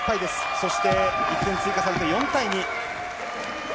そして１点追加されて、４対２。